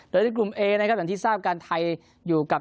โดยในกลุ่มเอนะครับอย่างที่ทราบกันไทยอยู่กับ